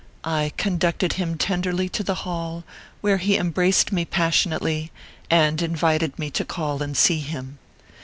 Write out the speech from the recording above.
I con ducted him tenderly to the hall, where he em braced me passionately, and invited me to call and see him.